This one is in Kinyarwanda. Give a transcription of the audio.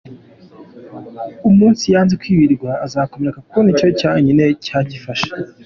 Umunsi yanze kwibirwa izakomera kuko nicyo cyonyine cyayifasha.